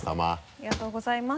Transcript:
ありがとうございます。